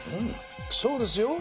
そうですよ。